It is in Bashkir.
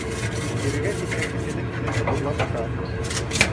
Кирегә киткән кешенең килене урлап ашар.